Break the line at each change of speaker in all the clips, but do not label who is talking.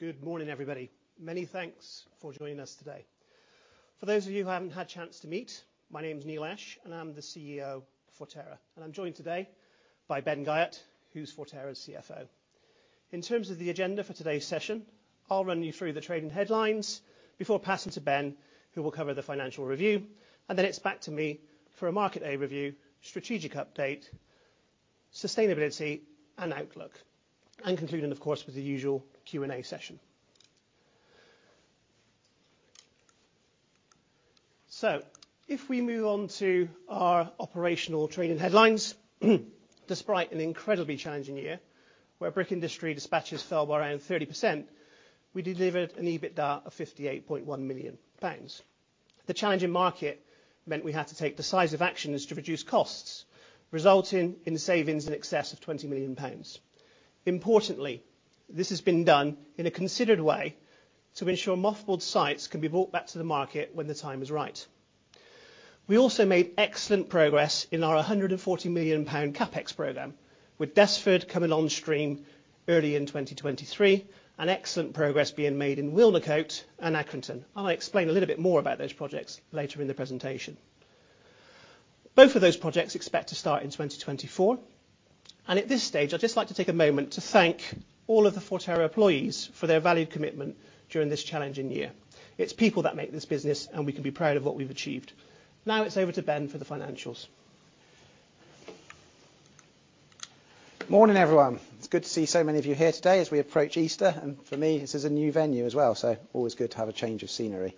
Good morning, everybody. Many thanks for joining us today. For those of you who haven't had a chance to meet, my name's Neil Ash, and I'm the CEO of Forterra. I'm joined today by Ben Guyatt, who's Forterra's CFO. In terms of the agenda for today's session, I'll run you through the trading headlines before passing to Ben, who will cover the financial review, and then it's back to me for a Market A review, strategic update, sustainability, and outlook, and concluding, of course, with the usual Q&A session. If we move on to our operational trading headlines, despite an incredibly challenging year where brick industry dispatches fell by around 30%, we delivered an EBITDA of 58.1 million pounds. The challenge in market meant we had to take decisive actions to reduce costs, resulting in savings in excess of 20 million pounds. Importantly, this has been done in a considered way to ensure mothballed sites can be brought back to the market when the time is right. We also made excellent progress in our 140 million pound Capex program, with Desford coming on stream early in 2023 and excellent progress being made in Wilnecote and Accrington. I'll explain a little bit more about those projects later in the presentation. Both of those projects expect to start in 2024. At this stage, I'd just like to take a moment to thank all of the Forterra employees for their valued commitment during this challenging year. It's people that make this business, and we can be proud of what we've achieved. Now it's over to Ben for the financials.
Morning, everyone. It's good to see so many of you here today as we approach Easter, and for me, this is a new venue as well, so always good to have a change of scenery.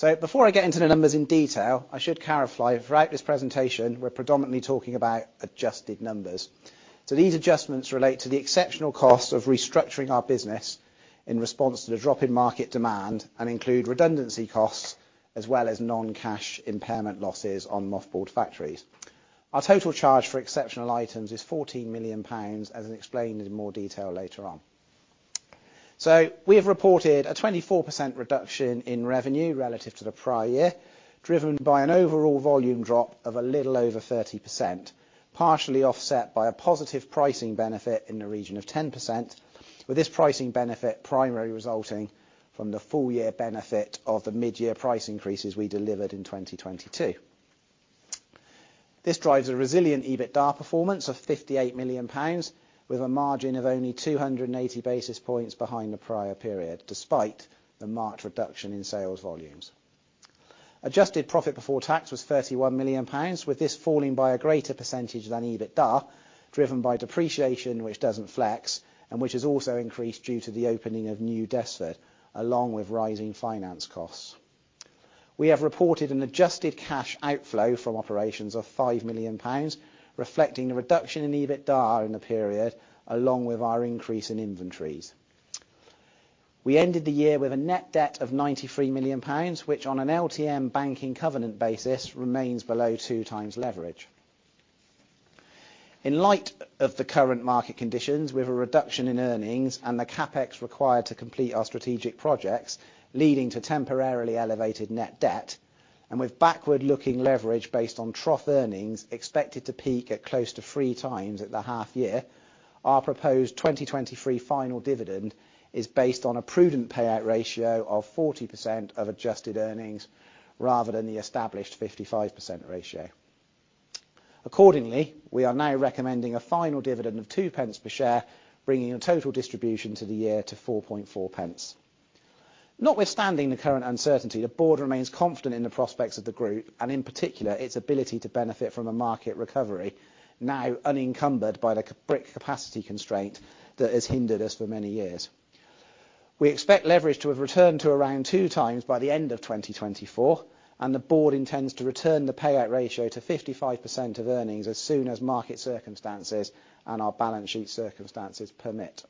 Before I get into the numbers in detail, I should clarify, throughout this presentation, we're predominantly talking about adjusted numbers. These adjustments relate to the exceptional costs of restructuring our business in response to the drop in market demand and include redundancy costs as well as non-cash impairment losses on mothballed factories. Our total charge for exceptional items is 14 million pounds, as I'll explain in more detail later on. We have reported a 24% reduction in revenue relative to the prior year, driven by an overall volume drop of a little over 30%, partially offset by a positive pricing benefit in the region of 10%, with this pricing benefit primarily resulting from the full-year benefit of the mid-year price increases we delivered in 2022. This drives a resilient EBITDA performance of 58 million pounds, with a margin of only 280 basis points behind the prior period, despite the March reduction in sales volumes. Adjusted profit before tax was 31 million pounds, with this falling by a greater percentage than EBITDA, driven by depreciation, which doesn't flex and which has also increased due to the opening of new Desford, along with rising finance costs. We have reported an adjusted cash outflow from operations of 5 million pounds, reflecting the reduction in EBITDA in the period, along with our increase in inventories. We ended the year with a net debt of 93 million pounds, which on an LTM banking covenant basis remains below two times leverage. In light of the current market conditions, with a reduction in earnings and the Capex required to complete our strategic projects, leading to temporarily elevated net debt, and with backward-looking leverage based on trough earnings expected to peak at close to three times at the half-year, our proposed 2023 final dividend is based on a prudent payout ratio of 40% of adjusted earnings rather than the established 55% ratio. Accordingly, we are now recommending a final dividend of 0.02 per share, bringing a total distribution to the year to 0.044. Notwithstanding the current uncertainty, the board remains confident in the prospects of the group and, in particular, its ability to benefit from a market recovery now unencumbered by the brick capacity constraint that has hindered us for many years. We expect leverage to have returned to around 2x by the end of 2024, and the board intends to return the payout ratio to 55% of earnings as soon as market circumstances and our balance sheet circumstances permit.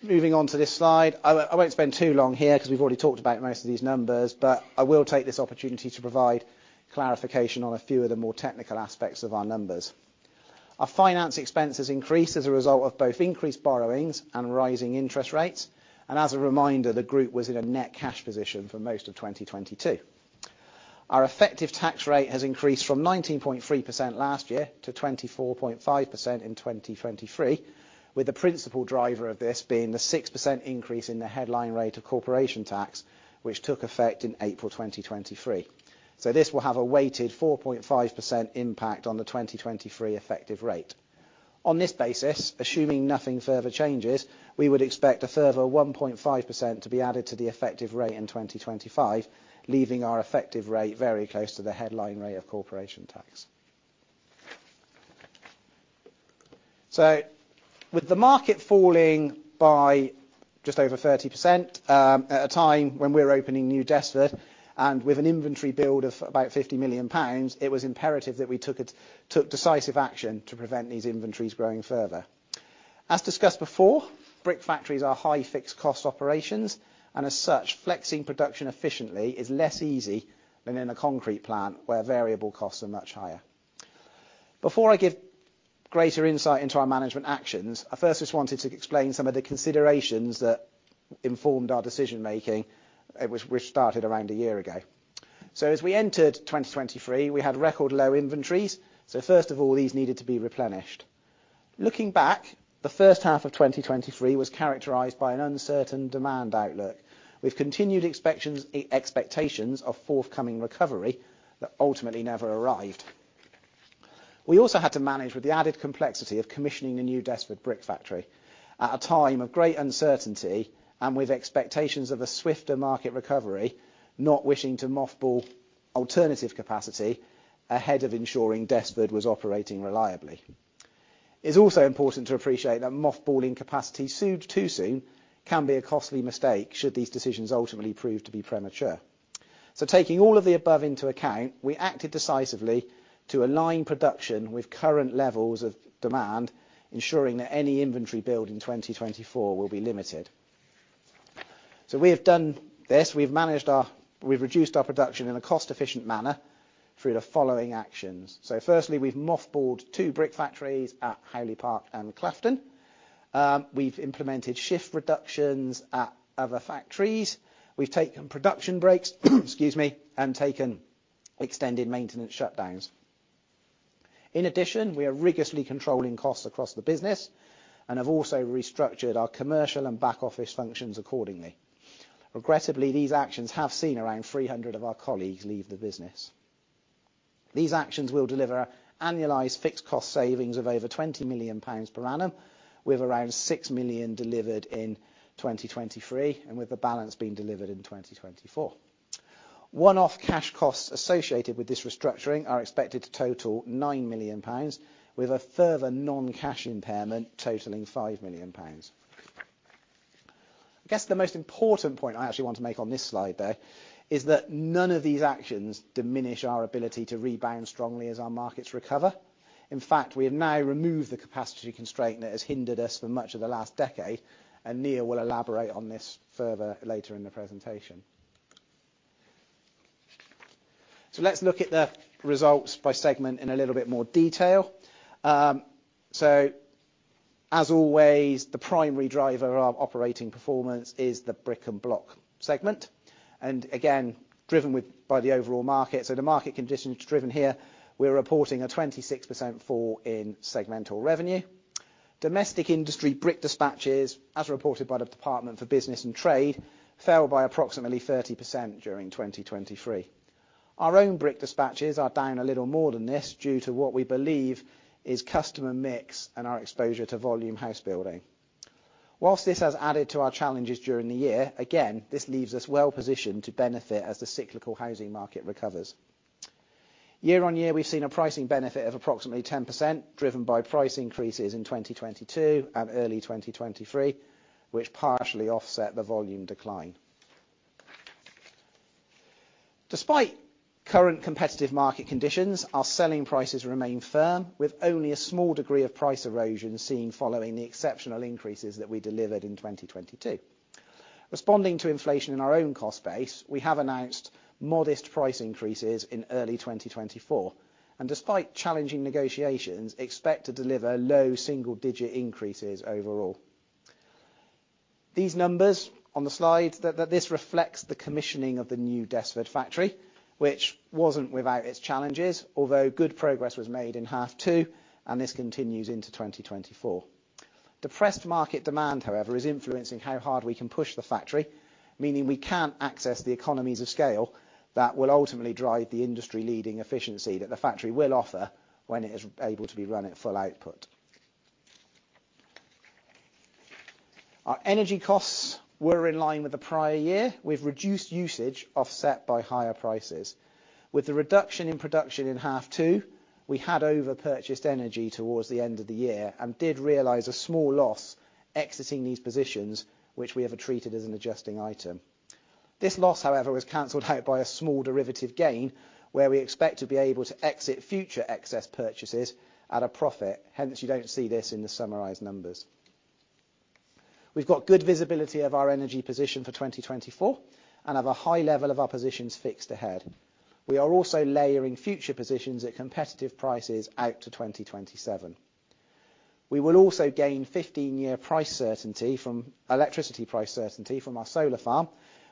Moving on to this slide, I won't spend too long here because we've already talked about most of these numbers, but I will take this opportunity to provide clarification on a few of the more technical aspects of our numbers. Our finance expenses increase as a result of both increased borrowings and rising interest rates, and as a reminder, the group was in a net cash position for most of 2022. Our effective tax rate has increased from 19.3% last year to 24.5% in 2023, with the principal driver of this being the 6% increase in the headline rate of corporation tax, which took effect in April 2023. So this will have a weighted 4.5% impact on the 2023 effective rate. On this basis, assuming nothing further changes, we would expect a further 1.5% to be added to the effective rate in 2025, leaving our effective rate very close to the headline rate of corporation tax. So with the market falling by just over 30% at a time when we're opening new Desford and with an inventory build of about 50 million pounds, it was imperative that we took decisive action to prevent these inventories growing further. As discussed before, brick factories are high-fixed cost operations, and as such, flexing production efficiently is less easy than in a concrete plant where variable costs are much higher. Before I give greater insight into our management actions, I first just wanted to explain some of the considerations that informed our decision-making which started around a year ago. So as we entered 2023, we had record low inventories, so first of all, these needed to be replenished. Looking back, the first half of 2023 was characterized by an uncertain demand outlook with continued expectations of forthcoming recovery that ultimately never arrived. We also had to manage with the added complexity of commissioning the new Desford brick factory at a time of great uncertainty and with expectations of a swifter market recovery, not wishing to mothball alternative capacity ahead of ensuring Desford was operating reliably. It's also important to appreciate that mothballing capacity too soon can be a costly mistake should these decisions ultimately prove to be premature. So taking all of the above into account, we acted decisively to align production with current levels of demand, ensuring that any inventory build in 2024 will be limited. So we have done this. We've reduced our production in a cost-efficient manner through the following actions. So firstly, we've mothballed two brick factories at Howley Park and Claughton. We've implemented shift reductions at other factories. We've taken production breaks and taken extended maintenance shutdowns. In addition, we are rigorously controlling costs across the business and have also restructured our commercial and back-office functions accordingly. Regrettably, these actions have seen around 300 of our colleagues leave the business. These actions will deliver annualized fixed cost savings of over 20 million pounds per annum, with around 6 million delivered in 2023 and with the balance being delivered in 2024. One-off cash costs associated with this restructuring are expected to total 9 million pounds, with a further non-cash impairment totaling 5 million pounds. I guess the most important point I actually want to make on this slide, though, is that none of these actions diminish our ability to rebound strongly as our markets recover. In fact, we have now removed the capacity constraint that has hindered us for much of the last decade, and Neil will elaborate on this further later in the presentation. So let's look at the results by segment in a little bit more detail. So as always, the primary driver of operating performance is the brick-and-block segment, and again, driven by the overall market. The market conditions driven here, we're reporting a 26% fall in segmental revenue. Domestic industry brick dispatches, as reported by the Department for Business and Trade, fell by approximately 30% during 2023. Our own brick dispatches are down a little more than this due to what we believe is customer mix and our exposure to volume housebuilding. While this has added to our challenges during the year, again, this leaves us well-positioned to benefit as the cyclical housing market recovers. Year-over-year, we've seen a pricing benefit of approximately 10% driven by price increases in 2022 and early 2023, which partially offset the volume decline. Despite current competitive market conditions, our selling prices remain firm, with only a small degree of price erosion seen following the exceptional increases that we delivered in 2022. Responding to inflation in our own cost base, we have announced modest price increases in early 2024, and despite challenging negotiations, expect to deliver low single-digit increases overall. These numbers on the slide, this reflects the commissioning of the new Desford factory, which wasn't without its challenges, although good progress was made in half two, and this continues into 2024. Depressed market demand, however, is influencing how hard we can push the factory, meaning we can't access the economies of scale that will ultimately drive the industry-leading efficiency that the factory will offer when it is able to be run at full output. Our energy costs were in line with the prior year, with reduced usage, offset by higher prices. With the reduction in production in half two, we had overpurchased energy towards the end of the year and did realize a small loss exiting these positions, which we have treated as an adjusting item. This loss, however, was cancelled out by a small derivative gain where we expect to be able to exit future excess purchases at a profit. Hence, you don't see this in the summarized numbers. We've got good visibility of our energy position for 2024 and have a high level of our positions fixed ahead. We are also layering future positions at competitive prices out to 2027. We will also gain 15-year price certainty from electricity price certainty from our solar farm,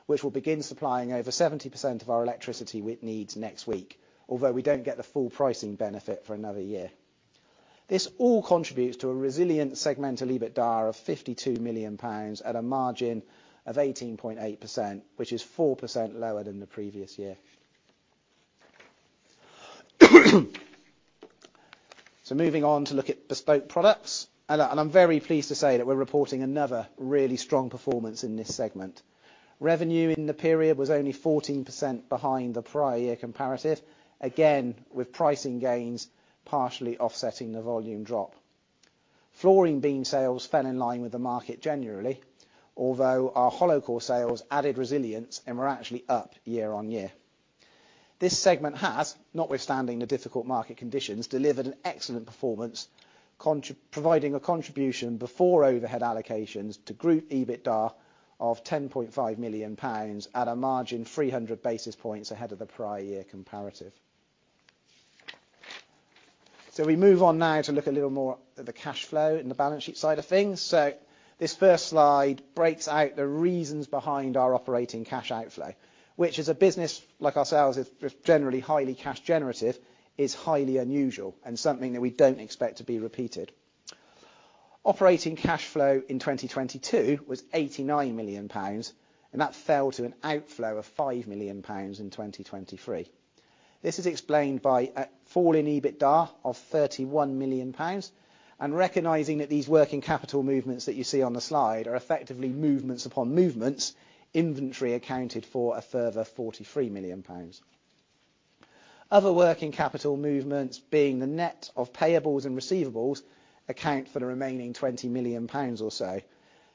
which will begin supplying over 70% of our electricity needs next week, although we don't get the full pricing benefit for another year. This all contributes to a resilient segmental EBITDA of 52 million pounds at a margin of 18.8%, which is 4% lower than the previous year. So moving on to look at bespoke products, and I'm very pleased to say that we're reporting another really strong performance in this segment. Revenue in the period was only 14% behind the prior year comparative, again with pricing gains partially offsetting the volume drop. Flooring beam sales fell in line with the market generally, although our hollow core sales added resilience and were actually up year-on-year. This segment has, notwithstanding the difficult market conditions, delivered an excellent performance, providing a contribution before overhead allocations to group EBITDA of 10.5 million pounds at a margin of 300 basis points ahead of the prior year comparative. So we move on now to look a little more at the cash flow and the balance sheet side of things. So this first slide breaks out the reasons behind our operating cash outflow, which as a business like ourselves, is generally highly cash generative, is highly unusual and something that we don't expect to be repeated. Operating cash flow in 2022 was 89 million pounds, and that fell to an outflow of 5 million pounds in 2023. This is explained by a fall in EBITDA of 31 million pounds and recognizing that these working capital movements that you see on the slide are effectively movements upon movements, inventory accounted for a further 43 million pounds. Other working capital movements, being the net of payables and receivables, account for the remaining 20 million pounds or so.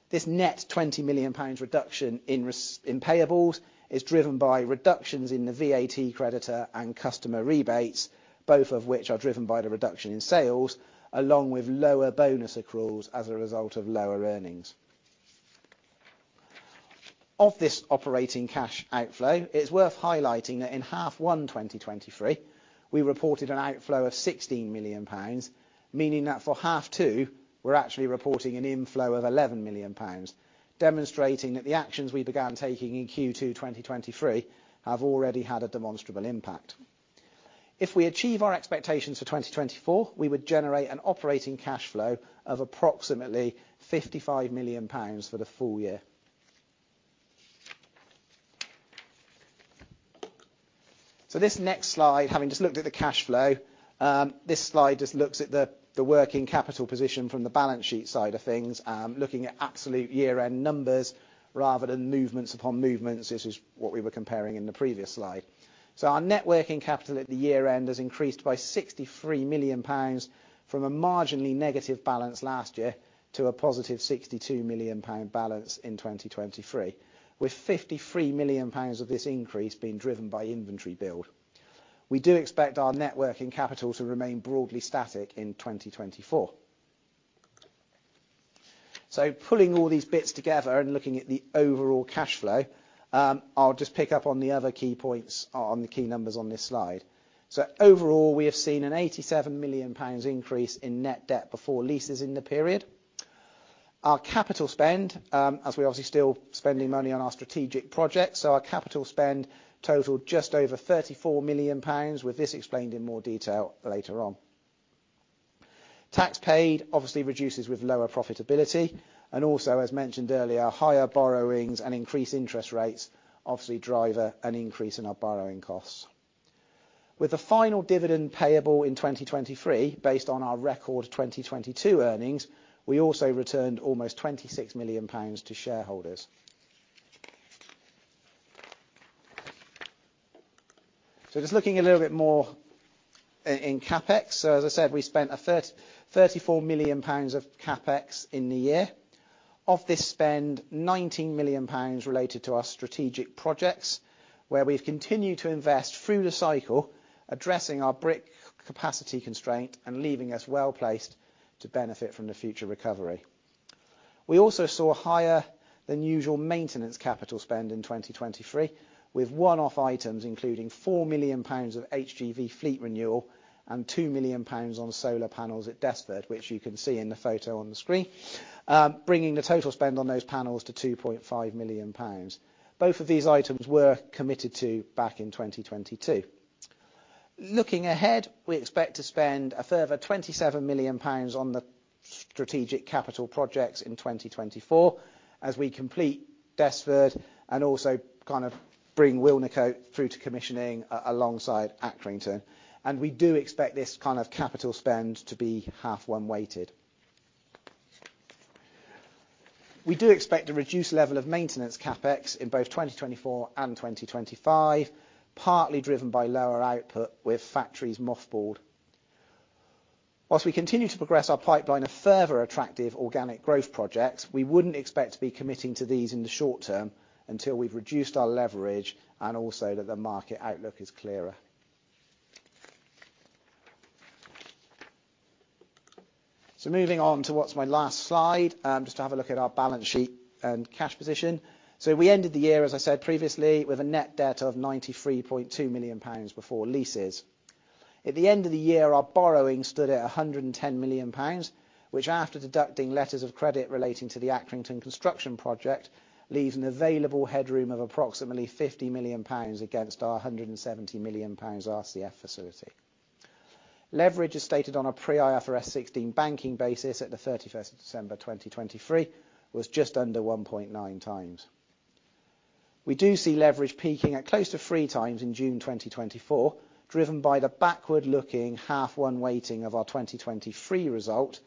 This net 20 million pounds reduction in payables is driven by reductions in the VAT creditor and customer rebates, both of which are driven by the reduction in sales, along with lower bonus accruals as a result of lower earnings. Of this operating cash outflow, it's worth highlighting that in half one 2023, we reported an outflow of 16 million pounds, meaning that for half two, we're actually reporting an inflow of 11 million pounds, demonstrating that the actions we began taking in Q2 2023 have already had a demonstrable impact. If we achieve our expectations for 2024, we would generate an operating cash flow of approximately 55 million pounds for the full year. So this next slide, having just looked at the cash flow, this slide just looks at the working capital position from the balance sheet side of things, looking at absolute year-end numbers rather than movements upon movements. This is what we were comparing in the previous slide. Our net working capital at the year-end has increased by 63 million pounds from a marginally negative balance last year to a positive 62 million pound balance in 2023, with 53 million pounds of this increase being driven by inventory build. We do expect our net working capital to remain broadly static in 2024. Pulling all these bits together and looking at the overall cash flow, I'll just pick up on the other key points on the key numbers on this slide. Overall, we have seen a 87 million pounds increase in net debt before leases in the period. Our capital spend, as we're obviously still spending money on our strategic projects, so our capital spend totaled just over 34 million pounds, with this explained in more detail later on. Tax paid obviously reduces with lower profitability, and also, as mentioned earlier, higher borrowings and increased interest rates obviously drive an increase in our borrowing costs. With the final dividend payable in 2023, based on our record 2022 earnings, we also returned almost 26 million pounds to shareholders. So just looking a little bit more in CapEx. So as I said, we spent 34 million pounds of CapEx in the year. Of this spend, 19 million pounds related to our strategic projects, where we've continued to invest through the cycle, addressing our brick capacity constraint and leaving us well-placed to benefit from the future recovery. We also saw higher-than-usual maintenance capital spend in 2023, with one-off items including 4 million pounds of HGV fleet renewal and 2 million pounds on solar panels at Desford, which you can see in the photo on the screen, bringing the total spend on those panels to 2.5 million pounds. Both of these items were committed to back in 2022. Looking ahead, we expect to spend a further 27 million pounds on the strategic capital projects in 2024 as we complete Desford and also kind of bring Wilnecote through to commissioning alongside Accrington. We do expect this kind of capital spend to be half-one weighted. We do expect a reduced level of maintenance CapEx in both 2024 and 2025, partly driven by lower output with factories mothballed. While we continue to progress our pipeline of further attractive organic growth projects, we wouldn't expect to be committing to these in the short term until we've reduced our leverage and also that the market outlook is clearer. Moving on to what's my last slide, just to have a look at our balance sheet and cash position. So we ended the year, as I said previously, with a net debt of 93.2 million pounds before leases. At the end of the year, our borrowing stood at 110 million pounds, which after deducting letters of credit relating to the Accrington construction project, leaves an available headroom of approximately 50 million pounds against our 170 million pounds RCF facility. Leverage is stated on a pre-IFRS 16 banking basis at the 31st of December 2023, was just under 1.9 times. We do see leverage peaking at close to three times in June 2024, driven by the backward-looking H1 weighting of our 2023 result,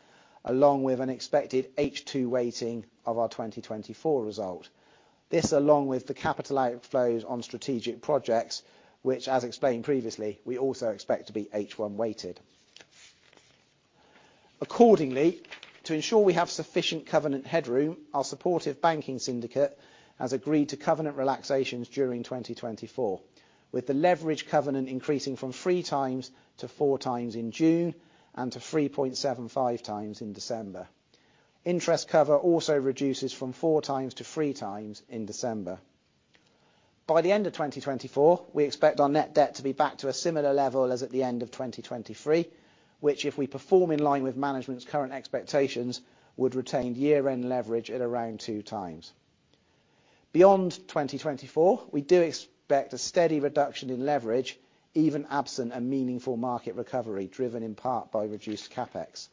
along with an expected H2 weighting of our 2024 result. This, along with the capital outflows on strategic projects, which, as explained previously, we also expect to be H1 weighted. Accordingly, to ensure we have sufficient covenant headroom, our supportive banking syndicate has agreed to covenant relaxations during 2024, with the leverage covenant increasing from 3x to 4x in June and to 3.75x in December. Interest cover also reduces from 4x to 3x in December. By the end of 2024, we expect our net debt to be back to a similar level as at the end of 2023, which, if we perform in line with management's current expectations, would retain year-end leverage at around 2x. Beyond 2024, we do expect a steady reduction in leverage, even absent a meaningful market recovery driven in part by reduced CapEx.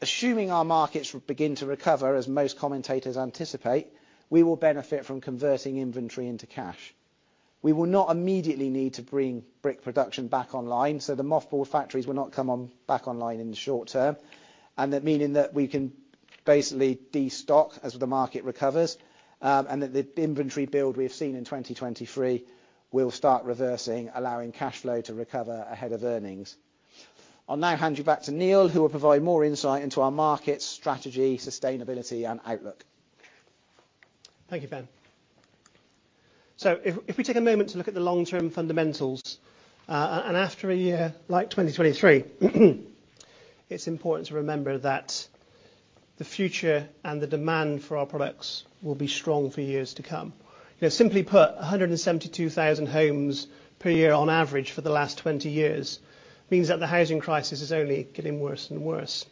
Assuming our markets begin to recover as most commentators anticipate, we will benefit from converting inventory into cash. We will not immediately need to bring brick production back online, so the mothballed factories will not come back online in the short term, and that meaning that we can basically destock as the market recovers, and that the inventory build we have seen in 2023 will start reversing, allowing cash flow to recover ahead of earnings. I'll now hand you back to Neil, who will provide more insight into our markets, strategy, sustainability, and outlook.
Thank you, Ben. So if we take a moment to look at the long-term fundamentals, and after a year like 2023, it's important to remember that the future and the demand for our products will be strong for years to come. Simply put, 172,000 homes per year on average for the last 20 years means that the housing crisis is only getting worse and worse.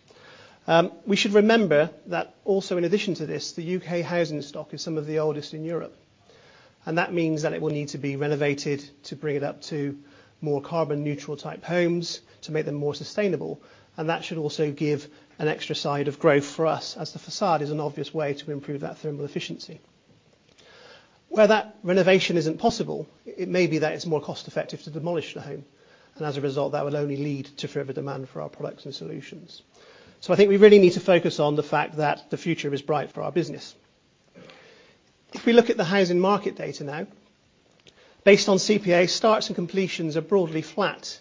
We should remember that also, in addition to this, the U.K. housing stock is some of the oldest in Europe. That means that it will need to be renovated to bring it up to more carbon-neutral type homes to make them more sustainable. That should also give an extra side of growth for us, as the facade is an obvious way to improve that thermal efficiency. Where that renovation isn't possible, it may be that it's more cost-effective to demolish the home. As a result, that would only lead to further demand for our products and solutions. I think we really need to focus on the fact that the future is bright for our business. If we look at the housing market data now, based on CPA, starts and completions are broadly flat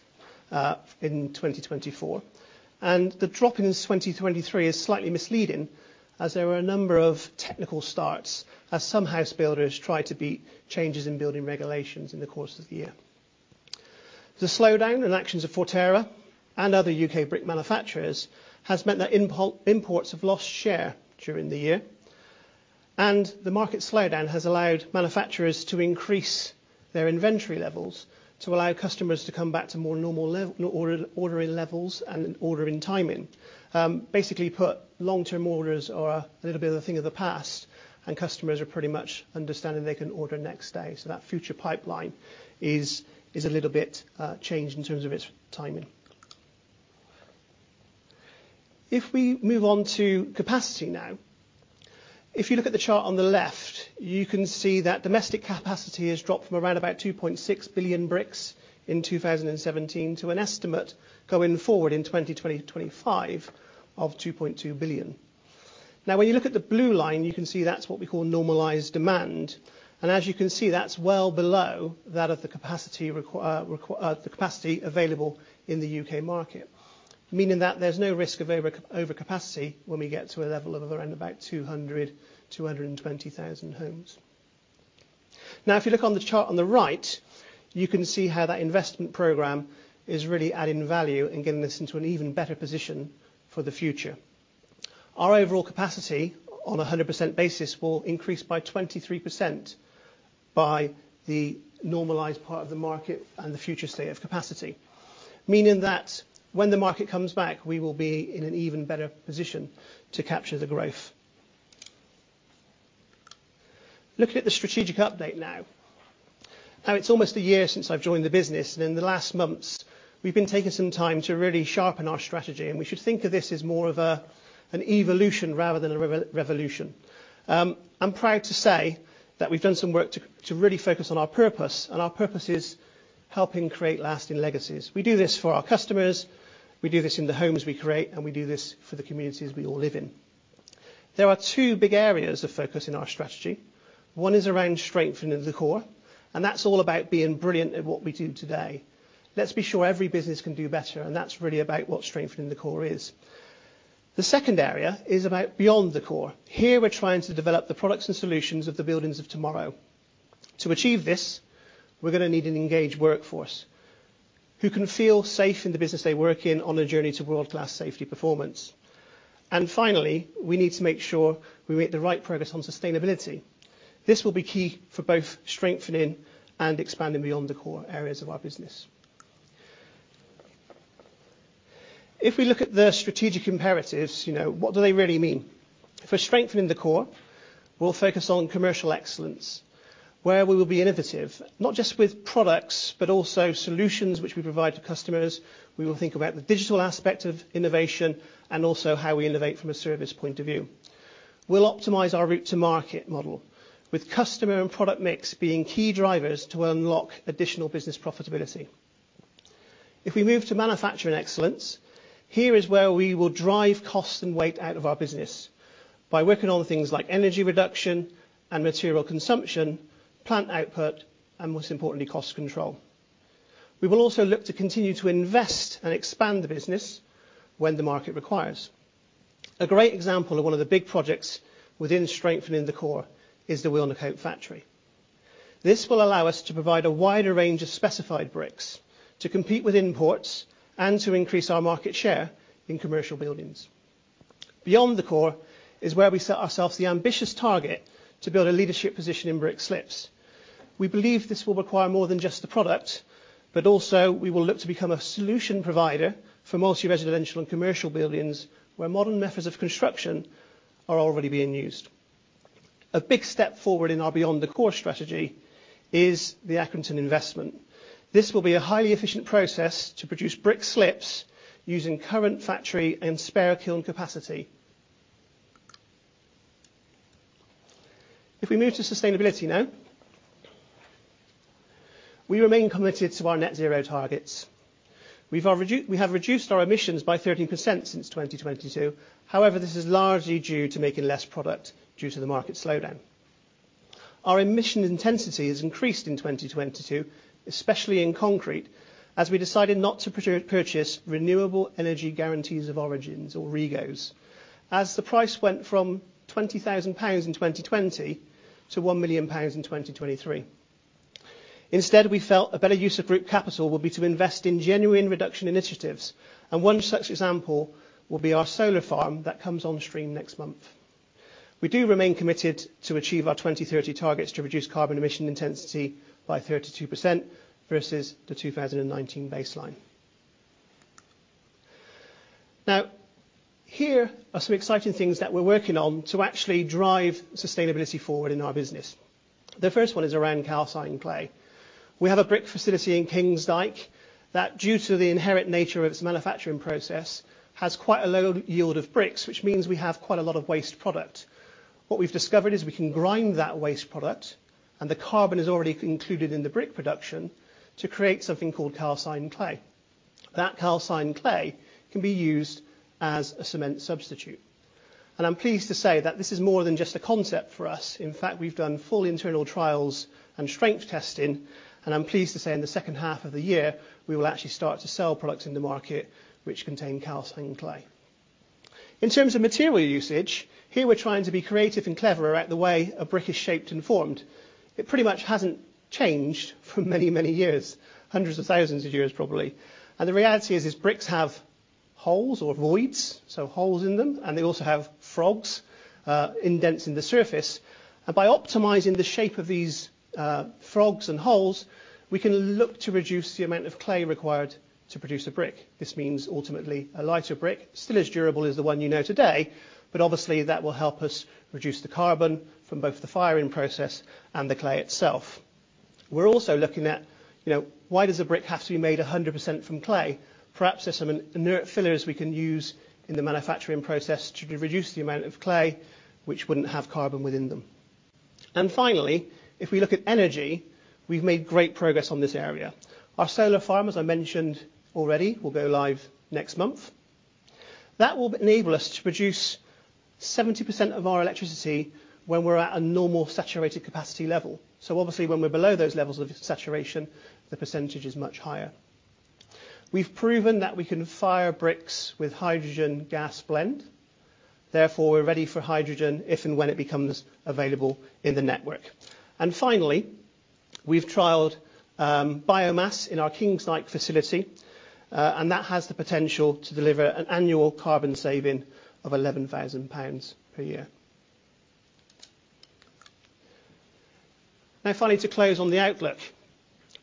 in 2024. The drop in 2023 is slightly misleading, as there were a number of technical starts as some house builders tried to beat changes in building regulations in the course of the year. The slowdown in actions of Forterra and other U.K. brick manufacturers has meant that imports have lost share during the year. The market slowdown has allowed manufacturers to increase their inventory levels to allow customers to come back to more normal ordering levels and ordering timing. Basically put, long-term orders are a little bit of a thing of the past, and customers are pretty much understanding they can order next day. So that future pipeline is a little bit changed in terms of its timing. If we move on to capacity now, if you look at the chart on the left, you can see that domestic capacity has dropped from around about 2.6 billion bricks in 2017 to an estimate going forward in 2025 of 2.2 billion. Now, when you look at the blue line, you can see that's what we call normalized demand. And as you can see, that's well below that of the capacity available in the UK market, meaning that there's no risk of overcapacity when we get to a level of around about 200,000-220,000 homes. Now, if you look on the chart on the right, you can see how that investment programme is really adding value and getting us into an even better position for the future. Our overall capacity on a 100% basis will increase by 23% by the normalised part of the market and the future state of capacity, meaning that when the market comes back, we will be in an even better position to capture the growth. Looking at the strategic update now, now it's almost a year since I've joined the business, and in the last months, we've been taking some time to really sharpen our strategy. And we should think of this as more of an evolution rather than a revolution. I'm proud to say that we've done some work to really focus on our purpose, and our purpose is helping create lasting legacies. We do this for our customers. We do this in the homes we create, and we do this for the communities we all live in. There are two big areas of focus in our strategy. One is around strengthening the core, and that's all about being brilliant at what we do today. Let's be sure every business can do better, and that's really about what strengthening the core is. The second area is about beyond the core. Here, we're trying to develop the products and solutions of the buildings of tomorrow. To achieve this, we're going to need an engaged workforce who can feel safe in the business they work in on a journey to world-class safety performance. Finally, we need to make sure we make the right progress on sustainability. This will be key for both strengthening and expanding beyond the core areas of our business. If we look at the strategic imperatives, what do they really mean? For strengthening the core, we'll focus on commercial excellence, where we will be innovative, not just with products, but also solutions which we provide to customers. We will think about the digital aspect of innovation and also how we innovate from a service point of view. We'll optimize our route-to-market model, with customer and product mix being key drivers to unlock additional business profitability. If we move to manufacturing excellence, here is where we will drive cost and weight out of our business by working on things like energy reduction and material consumption, plant output, and most importantly, cost control. We will also look to continue to invest and expand the business when the market requires. A great example of one of the big projects within strengthening the core is the Wilnecote factory. This will allow us to provide a wider range of specified bricks to compete with imports and to increase our market share in commercial buildings. Beyond the core is where we set ourselves the ambitious target to build a leadership position in Brick Slips. We believe this will require more than just the product, but also we will look to become a solution provider for multi-residential and commercial buildings where modern methods of construction are already being used. A big step forward in our beyond-the-core strategy is the Accrington investment. This will be a highly efficient process to produce Brick Slips using current factory and spare kiln capacity. If we move to sustainability now, we remain committed to our net-zero targets. We have reduced our emissions by 13% since 2022. However, this is largely due to making less product due to the market slowdown. Our emissions intensity has increased in 2022, especially in concrete, as we decided not to purchase renewable energy guarantees of origins or REGOs, as the price went from 20,000 pounds in 2020 to 1 million pounds in 2023. Instead, we felt a better use of group capital would be to invest in genuine reduction initiatives, and one such example will be our solar farm that comes on stream next month. We do remain committed to achieve our 2030 targets to reduce carbon emission intensity by 32% versus the 2019 baseline. Now, here are some exciting things that we're working on to actually drive sustainability forward in our business. The first one is around calcined clay. We have a brick facility in Kings Dyke that, due to the inherent nature of its manufacturing process, has quite a low yield of bricks, which means we have quite a lot of waste product. What we've discovered is we can grind that waste product, and the carbon is already included in the brick production, to create something called calcined clay. That calcined clay can be used as a cement substitute. I'm pleased to say that this is more than just a concept for us. In fact, we've done full internal trials and strength testing, and I'm pleased to say in the second half of the year, we will actually start to sell products in the market which contain calcined clay. In terms of material usage, here we're trying to be creative and cleverer at the way a brick is shaped and formed. It pretty much hasn't changed for many, many years, hundreds of thousands of years probably. The reality is bricks have holes or voids, so holes in them, and they also have frogs, indents in the surface. By optimizing the shape of these frogs and holes, we can look to reduce the amount of clay required to produce a brick. This means ultimately a lighter brick, still as durable as the one you know today, but obviously, that will help us reduce the carbon from both the firing process and the clay itself. We're also looking at why does a brick have to be made 100% from clay? Perhaps there's some inert fillers we can use in the manufacturing process to reduce the amount of clay which wouldn't have carbon within them. And finally, if we look at energy, we've made great progress on this area. Our solar farm, as I mentioned already, will go live next month. That will enable us to produce 70% of our electricity when we're at a normal saturated capacity level. So obviously, when we're below those levels of saturation, the percentage is much higher. We've proven that we can fire bricks with hydrogen-gas blend. Therefore, we're ready for hydrogen if and when it becomes available in the network. And finally, we've trialed biomass in our Kings Dyke facility, and that has the potential to deliver an annual carbon saving of 11,000 pounds per year. Now, finally, to close on the outlook,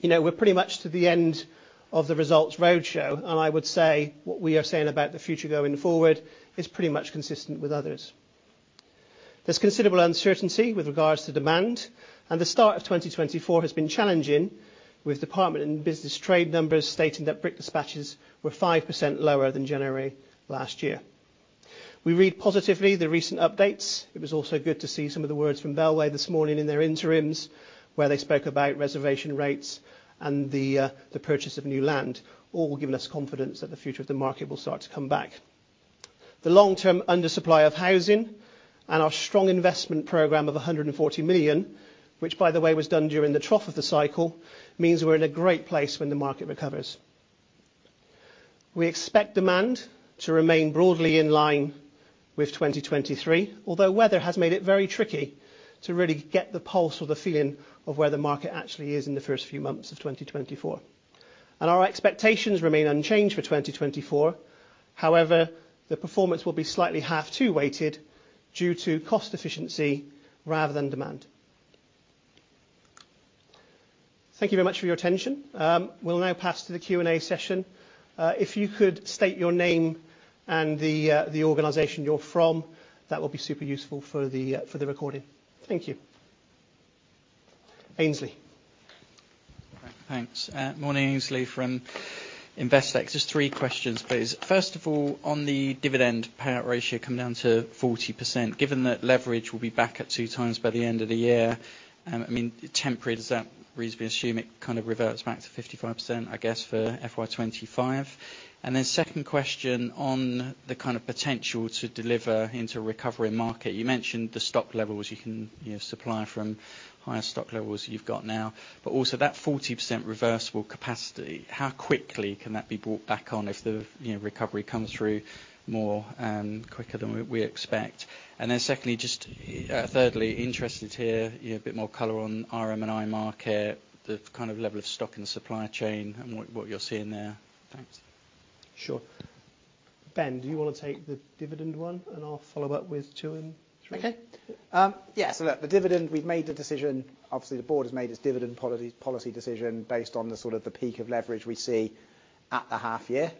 we're pretty much to the end of the results roadshow, and I would say what we are saying about the future going forward is pretty much consistent with others. There's considerable uncertainty with regards to demand, and the start of 2024 has been challenging, with Department for Business and Trade numbers stating that brick dispatches were 5% lower than January last year. We read positively the recent updates. It was also good to see some of the words from Bellway this morning in their interims, where they spoke about reservation rates and the purchase of new land, all giving us confidence that the future of the market will start to come back. The long-term undersupply of housing and our strong investment program of 140 million, which, by the way, was done during the trough of the cycle, means we're in a great place when the market recovers. We expect demand to remain broadly in line with 2023, although weather has made it very tricky to really get the pulse or the feeling of where the market actually is in the first few months of 2024. Our expectations remain unchanged for 2024. However, the performance will be slightly half-two weighted due to cost efficiency rather than demand. Thank you very much for your attention. We'll now pass to the Q&A session. If you could state your name and the organization you're from, that will be super useful for the recording. Thank you. Aynsley.
Thanks. Morning, Aynsley from Investec. Just three questions, please. First of all, on the dividend payout ratio, come down to 40%. Given that leverage will be back at 2x by the end of the year, I mean, temporary, does that reasonably assume it kind of reverts back to 55%, I guess, for FY 2025? And then second question, on the kind of potential to deliver into a recovering market, you mentioned the stock levels you can supply from, higher stock levels you've got now, but also that 40% reversible capacity. How quickly can that be brought back on if the recovery comes through more quicker than we expect? And then secondly, just thirdly, interested here, a bit more color on RM&I market, the kind of level of stock in the supply chain and what you're seeing there. Thanks.
Sure. Ben, do you want to take the dividend one, and I'll follow up with two and three?
Okay. Yeah, so look, the dividend, we've made the decision, obviously, the board has made its dividend policy decision based on the sort of the peak of leverage we see at the half-year.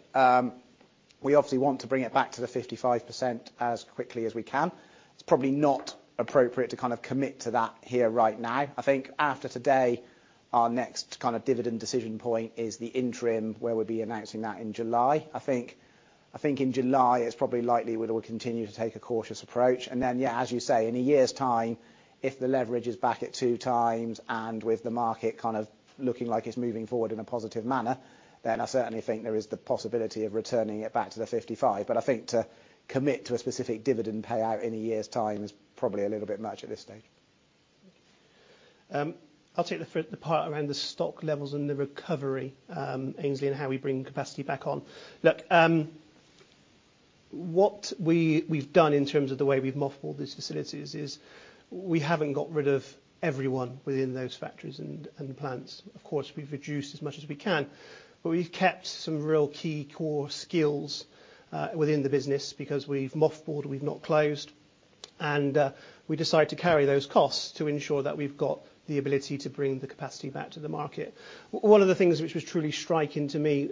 We obviously want to bring it back to the 55% as quickly as we can. It's probably not appropriate to kind of commit to that here right now. I think after today, our next kind of dividend decision point is the interim, where we'll be announcing that in July. I think in July, it's probably likely we'll continue to take a cautious approach. And then, yeah, as you say, in a year's time, if the leverage is back at 2x and with the market kind of looking like it's moving forward in a positive manner, then I certainly think there is the possibility of returning it back to the 55%. But I think to commit to a specific dividend payout in a year's time is probably a little bit much at this stage.
I'll take the part around the stock levels and the recovery, Aynsley, and how we bring capacity back on. Look, what we've done in terms of the way we've mothballed these facilities is we haven't got rid of everyone within those factories and plants. Of course, we've reduced as much as we can, but we've kept some real key core skills within the business because we've mothballed, we've not closed, and we decide to carry those costs to ensure that we've got the ability to bring the capacity back to the market. One of the things which was truly striking to me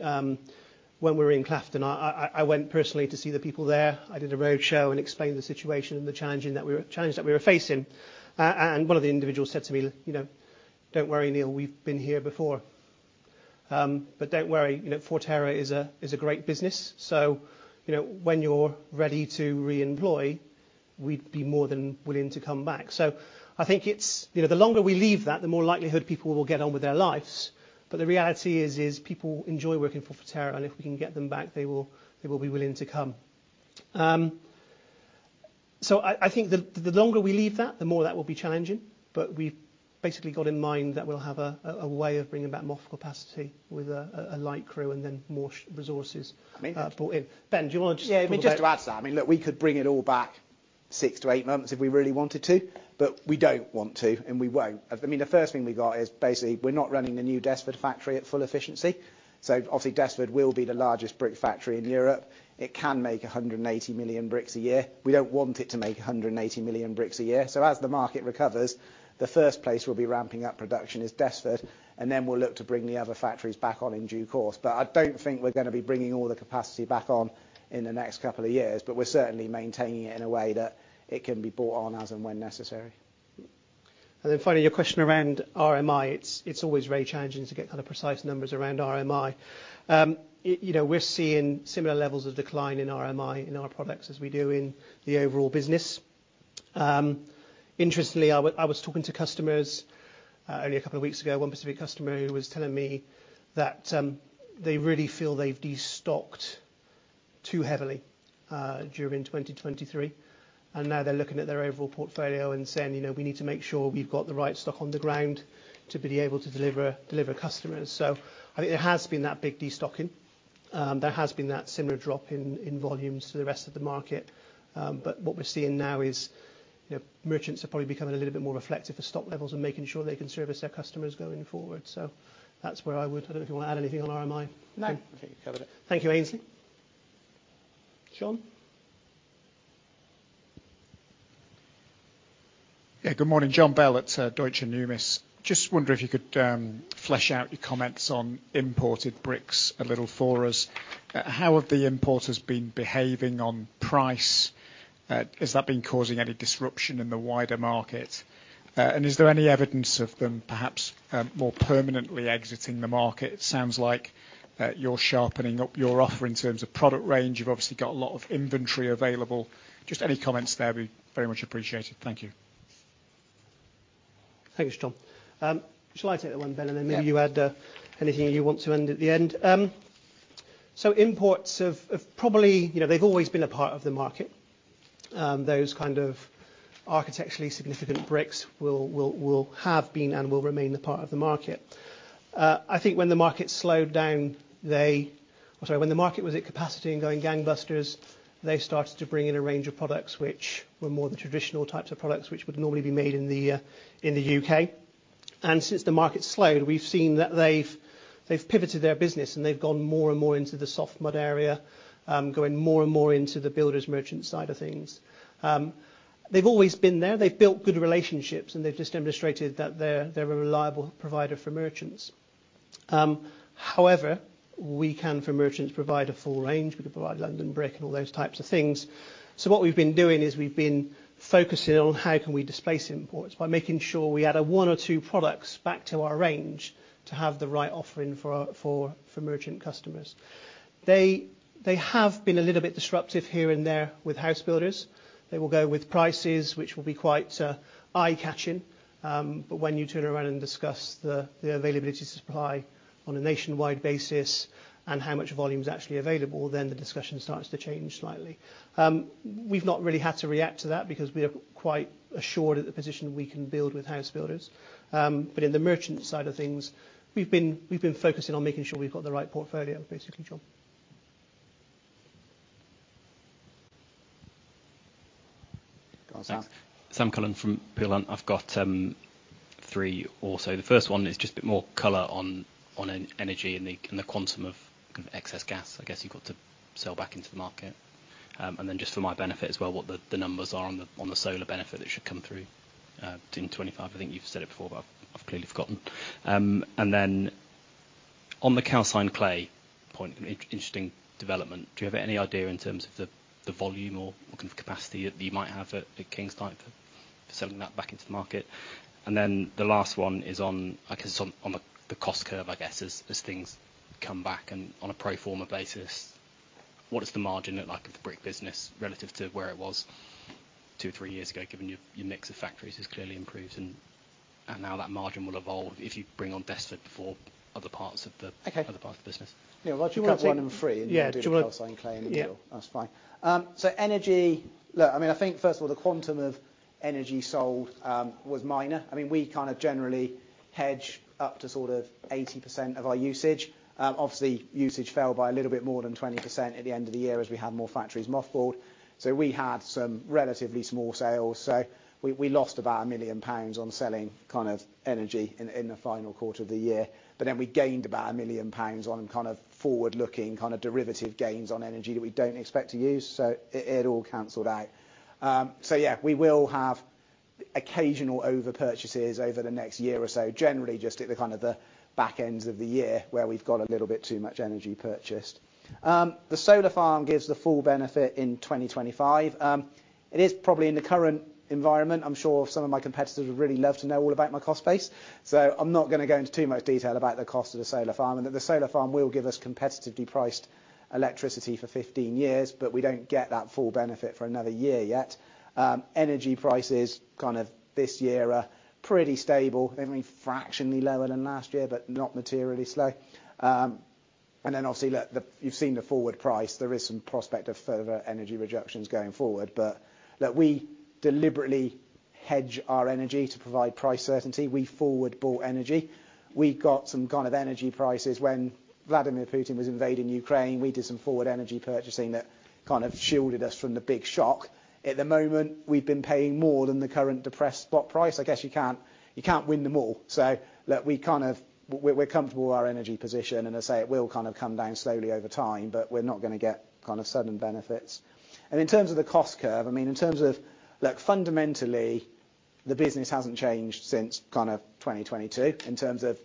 when we were in Claughton, I went personally to see the people there. I did a roadshow and explained the situation and the challenge that we were facing. And one of the individuals said to me, "Don't worry, Neil. We've been here before. But don't worry, Forterra is a great business. So when you're ready to reemploy, we'd be more than willing to come back." So I think the longer we leave that, the more likely people will get on with their lives. But the reality is people enjoy working for Forterra, and if we can get them back, they will be willing to come. So I think the longer we leave that, the more that will be challenging. But we've basically got in mind that we'll have a way of bringing back mothball capacity with a light crew and then more resources brought in. Ben, do you want to just add something?
Yeah, I mean, just to add to that, I mean, look, we could bring it all back 6 months-8 months if we really wanted to, but we don't want to, and we won't. I mean, the first thing we got is basically we're not running the new Desford factory at full efficiency. So obviously, Desford will be the largest brick factory in Europe. It can make 180 million bricks a year. We don't want it to make 180 million bricks a year. So as the market recovers, the first place we'll be ramping up production is Desford, and then we'll look to bring the other factories back on in due course. But I don't think we're going to be bringing all the capacity back on in the next couple of years, but we're certainly maintaining it in a way that it can be brought on as and when necessary.
Then finally, your question around RMI. It's always very challenging to get kind of precise numbers around RMI. We're seeing similar levels of decline in RMI in our products as we do in the overall business. Interestingly, I was talking to customers only a couple of weeks ago, one specific customer who was telling me that they really feel they've destocked too heavily during 2023, and now they're looking at their overall portfolio and saying, "We need to make sure we've got the right stock on the ground to be able to deliver customers." I think there has been that big destocking. There has been that similar drop in volumes to the rest of the market. What we're seeing now is merchants are probably becoming a little bit more reflective of stock levels and making sure they can service their customers going forward. So that's where I don't know if you want to add anything on RMI.
No. I think you covered it.
Thank you, Aynsley.
Sure?
Yeah, good morning. Jon Bell at Deutsche Numis. Just wondering if you could flesh out your comments on imported bricks a little for us. How have the importers been behaving on price? Has that been causing any disruption in the wider market? And is there any evidence of them perhaps more permanently exiting the market? It sounds like you're sharpening up your offer in terms of product range. You've obviously got a lot of inventory available. Just any comments there would be very much appreciated. Thank you.
Thank you, Jon. Shall I take that one, Ben, and then maybe you add anything you want to end at the end? So imports have probably they've always been a part of the market. Those kind of architecturally significant bricks will have been and will remain a part of the market. I think when the market slowed down, they or sorry, when the market was at capacity and going gangbusters, they started to bring in a range of products which were more the traditional types of products which would normally be made in the U.K.. And since the market slowed, we've seen that they've pivoted their business, and they've gone more and more into the soft mud area, going more and more into the builders-merchants side of things. They've always been there. They've built good relationships, and they've just demonstrated that they're a reliable provider for merchants. However, we can for merchants provide a full range. We can provide London Brick and all those types of things. So what we've been doing is we've been focusing on how can we displace imports by making sure we add one or two products back to our range to have the right offering for merchant customers. They have been a little bit disruptive here and there with house builders. They will go with prices which will be quite eye-catching. But when you turn around and discuss the availability to supply on a nationwide basis and how much volume's actually available, then the discussion starts to change slightly. We've not really had to react to that because we are quite assured at the position we can build with house builders. But in the merchant side of things, we've been focusing on making sure we've got the right portfolio, basically, Jon.
Sam Cullen from Peel Hunt. I've got three also. The first one is just a bit more color on energy and the quantum of kind of excess gas, I guess, you've got to sell back into the market. Then just for my benefit as well, what the numbers are on the solar benefit that should come through in 2025. I think you've said it before, but I've clearly forgotten. Then on the calcined clay point, interesting development. Do you have any idea in terms of the volume or kind of capacity that you might have at Kings Dyke for selling that back into the market? Then the last one is on, I guess, on the cost curve, I guess, as things come back and on a pro forma basis, what is the margin of the brick business relative to where it was two or three years ago, given your mix of factories has clearly improved and now that margin will evolve if you bring on Desford before other parts of the business?
Neil, well, do you want one and three and you do the calcined clay and the deal? That's fine. So energy, look, I mean, I think first of all, the quantum of energy sold was minor. I mean, we kind of generally hedge up to sort of 80% of our usage. Obviously, usage fell by a little bit more than 20% at the end of the year as we had more factories mothballed. So we had some relatively small sales. So we lost about 1 million pounds on selling kind of energy in the final quarter of the year. But then we gained about 1 million pounds on kind of forward-looking kind of derivative gains on energy that we don't expect to use. So it all cancelled out. So yeah, we will have occasional overpurchases over the next year or so, generally just at the kind of the back ends of the year where we've got a little bit too much energy purchased. The solar farm gives the full benefit in 2025. It is probably in the current environment. I'm sure some of my competitors would really love to know all about my cost base. So I'm not going to go into too much detail about the cost of the solar farm. And the solar farm will give us competitively priced electricity for 15 years, but we don't get that full benefit for another year yet. Energy prices kind of this year are pretty stable. They're only fractionally lower than last year, but not materially slow. And then obviously, look, you've seen the forward price. There is some prospect of further energy reductions going forward. But look, we deliberately hedge our energy to provide price certainty. We forward-bought energy. We got some kind of energy prices when Vladimir Putin was invading Ukraine. We did some forward energy purchasing that kind of shielded us from the big shock. At the moment, we've been paying more than the current depressed spot price. I guess you can't win them all. So look, we're comfortable with our energy position, and I say it will kind of come down slowly over time, but we're not going to get kind of sudden benefits. And in terms of the cost curve, I mean, in terms of, look, fundamentally, the business hasn't changed since kind of 2022 in terms of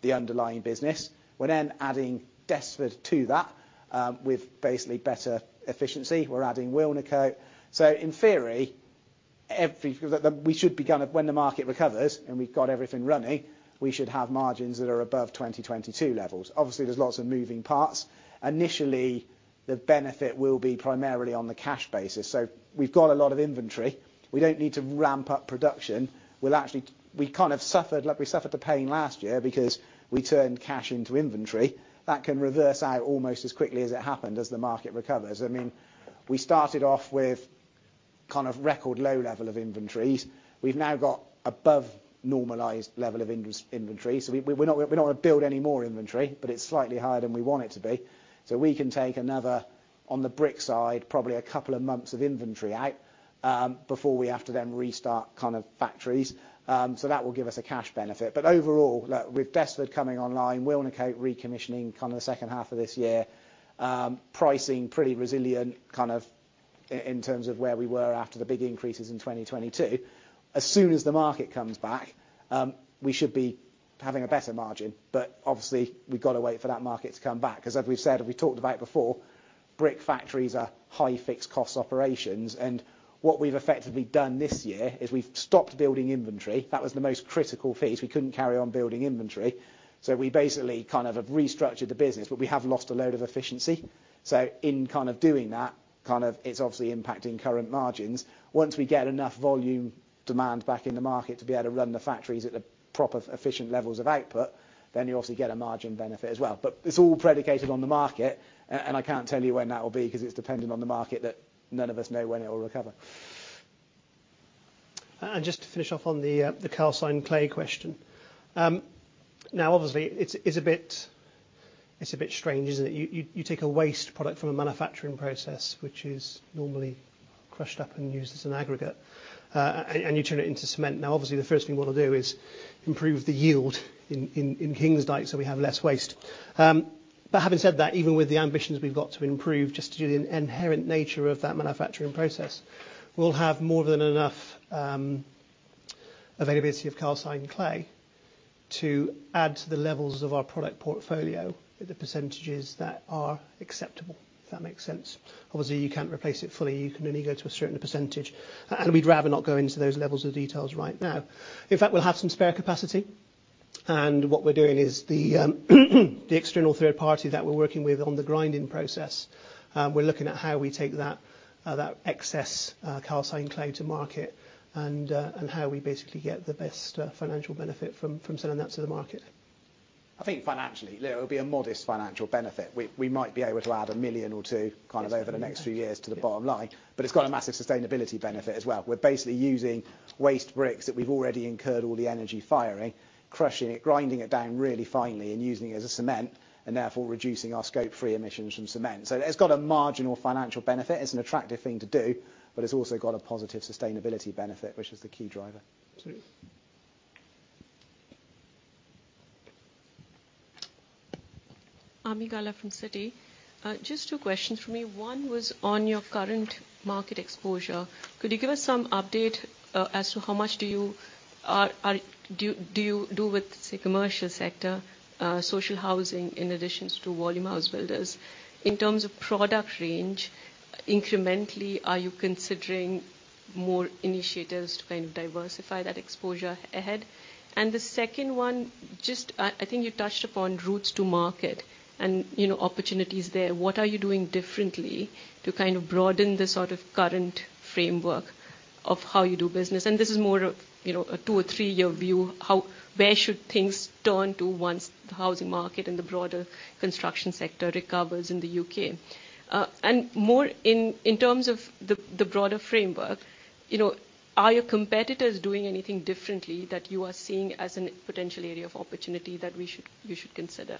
the underlying business. We're then adding Desford to that with basically better efficiency. We're adding Wilnecote. So in theory, we should be kind of when the market recovers and we've got everything running, we should have margins that are above 2022 levels. Obviously, there's lots of moving parts. Initially, the benefit will be primarily on the cash basis. So we've got a lot of inventory. We don't need to ramp up production. We kind of suffered the pain last year because we turned cash into inventory. That can reverse out almost as quickly as it happened as the market recovers. I mean, we started off with kind of record low level of inventories. We've now got above normalized level of inventory. So we're not going to build any more inventory, but it's slightly higher than we want it to be. So we can take another, on the brick side, probably a couple of months of inventory out before we have to then restart kind of factories. So that will give us a cash benefit. But overall, look, with Desford coming online, Wilnecote recommissioning kind of the second half of this year, pricing pretty resilient kind of in terms of where we were after the big increases in 2022, as soon as the market comes back, we should be having a better margin. But obviously, we've got to wait for that market to come back. Because as we've said, we've talked about it before, brick factories are high-fixed cost operations. And what we've effectively done this year is we've stopped building inventory. That was the most critical piece. We couldn't carry on building inventory. So we basically kind of have restructured the business, but we have lost a load of efficiency. So in kind of doing that, kind of it's obviously impacting current margins. Once we get enough volume demand back in the market to be able to run the factories at the proper, efficient levels of output, then you obviously get a margin benefit as well. But it's all predicated on the market, and I can't tell you when that will be because it's dependent on the market that none of us know when it will recover.
Just to finish off on the calcined clay question. Now, obviously, it's a bit strange, isn't it? You take a waste product from a manufacturing process which is normally crushed up and used as an aggregate, and you turn it into cement. Now, obviously, the first thing you want to do is improve the yield in Kings Dyke so we have less waste. But having said that, even with the ambitions we've got to improve just to do the inherent nature of that manufacturing process, we'll have more than enough availability of calcined clay to add to the levels of our product portfolio at the percentages that are acceptable, if that makes sense. Obviously, you can't replace it fully. You can only go to a certain percentage. And we'd rather not go into those levels of details right now. In fact, we'll have some spare capacity. What we're doing is the external third party that we're working with on the grinding process. We're looking at how we take that excess calcined clay to market and how we basically get the best financial benefit from selling that to the market.
I think financially, look, it'll be a modest financial benefit. We might be able to add 1 million or 2 million kind of over the next few years to the bottom line. But it's got a massive sustainability benefit as well. We're basically using waste bricks that we've already incurred all the energy firing, crushing it, grinding it down really finely, and using it as a cement and therefore reducing our Scope 3 emissions from cement. So it's got a marginal financial benefit. It's an attractive thing to do, but it's also got a positive sustainability benefit, which is the key driver.
Ami Galla from Citi. Just two questions from me. One was on your current market exposure. Could you give us some update as to how much do you do with, say, commercial sector, social housing in addition to volume house builders? In terms of product range, incrementally, are you considering more initiatives to kind of diversify that exposure ahead? And the second one, I think you touched upon routes to market and opportunities there. What are you doing differently to kind of broaden the sort of current framework of how you do business? And this is more a two or three-year view. Where should things turn to once the housing market and the broader construction sector recovers in the U.K.? And more in terms of the broader framework, are your competitors doing anything differently that you are seeing as a potential area of opportunity that you should consider?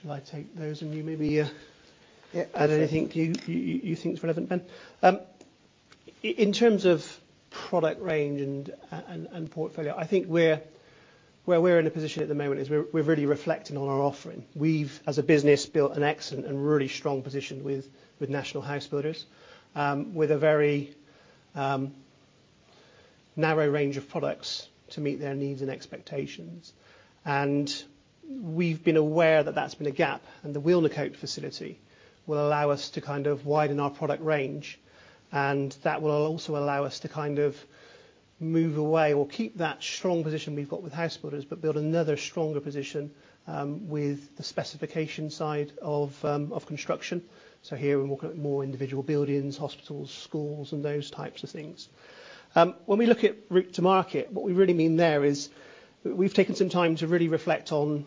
Shall I take those? And you maybe add anything you think's relevant, Ben. In terms of product range and portfolio, I think where we're in a position at the moment is we're really reflecting on our offering. We've, as a business, built an excellent and really strong position with national house builders with a very narrow range of products to meet their needs and expectations. And we've been aware that that's been a gap. And the Wilnecote facility will allow us to kind of widen our product range. And that will also allow us to kind of move away or keep that strong position we've got with house builders, but build another stronger position with the specification side of construction. So here, we're looking at more individual buildings, hospitals, schools, and those types of things. When we look at route to market, what we really mean there is we've taken some time to really reflect on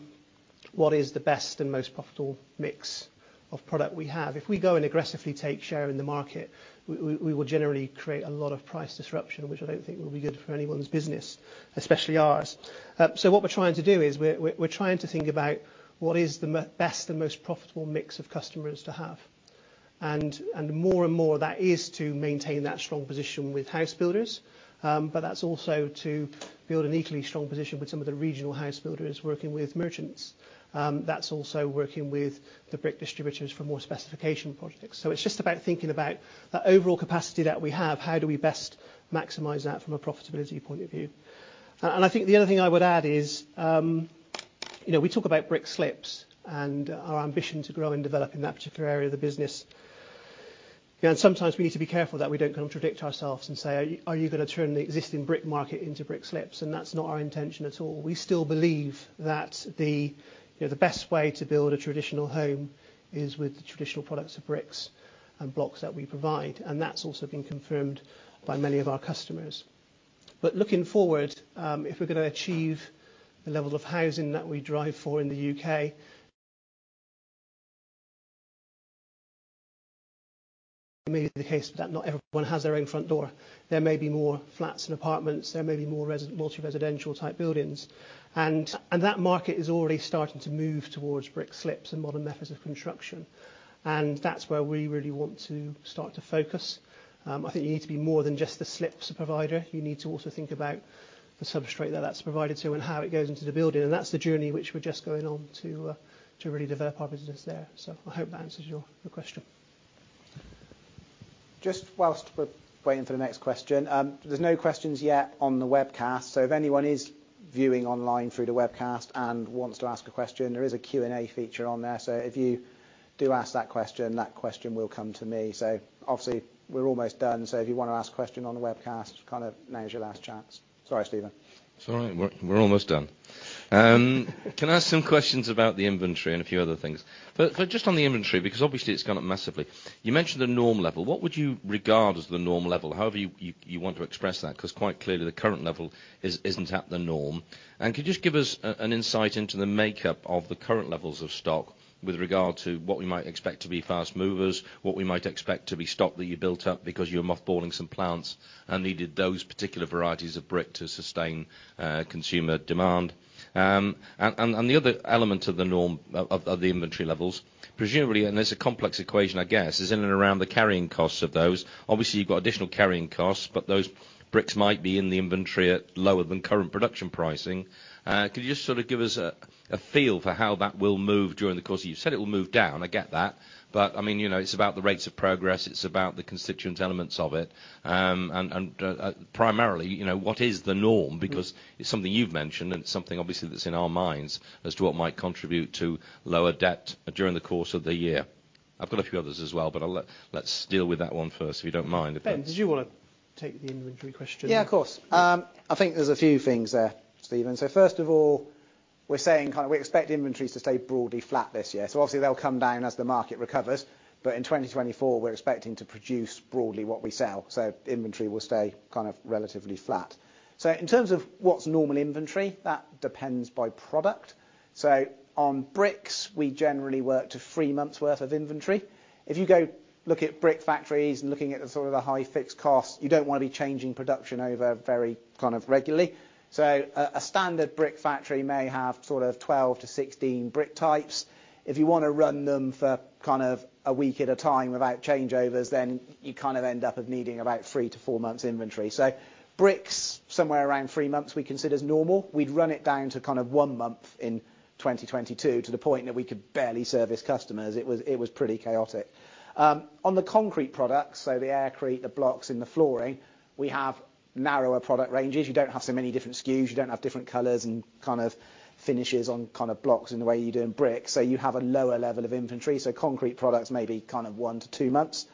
what is the best and most profitable mix of product we have. If we go and aggressively take share in the market, we will generally create a lot of price disruption, which I don't think will be good for anyone's business, especially ours. What we're trying to do is we're trying to think about what is the best and most profitable mix of customers to have. More and more, that is to maintain that strong position with house builders. That's also to build an equally strong position with some of the regional house builders working with merchants. That's also working with the brick distributors for more specification projects. It's just about thinking about that overall capacity that we have. How do we best maximize that from a profitability point of view? I think the other thing I would add is we talk about brick slips and our ambition to grow and develop in that particular area of the business. Sometimes, we need to be careful that we don't contradict ourselves and say, "Are you going to turn the existing brick market into brick slips?" That's not our intention at all. We still believe that the best way to build a traditional home is with the traditional products of bricks and blocks that we provide. That's also been confirmed by many of our customers. But looking forward, if we're going to achieve the level of housing that we drive for in the U.K., it may be the case that not everyone has their own front door. There may be more flats and apartments. There may be more multi-residential type buildings. And that market is already starting to move towards Brick slips and Modern Methods of Construction. And that's where we really want to start to focus. I think you need to be more than just the slips provider. You need to also think about the substrate that that's provided to and how it goes into the building. And that's the journey which we're just going on to really develop our business there. So I hope that answers your question. Just while we're waiting for the next question, there's no questions yet on the webcast. So if anyone is viewing online through the webcast and wants to ask a question, there is a Q&A feature on there. So if you do ask that question, that question will come to me. So obviously, we're almost done. So if you want to ask a question on the webcast, kind of now's your last chance. Sorry, Stephen.
Sorry. We're almost done. Can I ask some questions about the inventory and a few other things? But just on the inventory, because obviously, it's gone up massively, you mentioned the norm level. What would you regard as the norm level? However you want to express that. Because quite clearly, the current level isn't at the norm. And could you just give us an insight into the makeup of the current levels of stock with regard to what we might expect to be fast movers, what we might expect to be stock that you built up because you're mothballing some plants and needed those particular varieties of brick to sustain consumer demand? And the other element of the inventory levels, presumably, and there's a complex equation, I guess, is in and around the carrying costs of those. Obviously, you've got additional carrying costs, but those bricks might be in the inventory at lower than current production pricing. Could you just sort of give us a feel for how that will move during the course of you've said it will move down? I get that. But I mean, it's about the rates of progress. It's about the constituent elements of it. And primarily, what is the norm? Because it's something you've mentioned, and it's something, obviously, that's in our minds as to what might contribute to lower debt during the course of the year. I've got a few others as well, but let's deal with that one first if you don't mind.
Ben, did you want to take the inventory question?
Yeah, of course. I think there's a few things there, Stephen. So first of all, we're saying kind of we expect inventories to stay broadly flat this year. So obviously, they'll come down as the market recovers. But in 2024, we're expecting to produce broadly what we sell. So inventory will stay kind of relatively flat. So in terms of what's normal inventory, that depends by product. So on bricks, we generally work to three months' worth of inventory. If you go look at brick factories and looking at sort of the high-fixed costs, you don't want to be changing production over very kind of regularly. So a standard brick factory may have sort of 12-16 brick types. If you want to run them for kind of a week at a time without changeovers, then you kind of end up needing about three to four months' inventory. So bricks, somewhere around 3 months, we consider normal. We'd run it down to kind of 1 month in 2022 to the point that we could barely service customers. It was pretty chaotic. On the concrete products, so the aircrete, the blocks, and the flooring, we have narrower product ranges. You don't have so many different SKUs. You don't have different colors and kind of finishes on kind of blocks in the way you do in bricks. So you have a lower level of inventory. So concrete products may be kind of 1 month-2 months.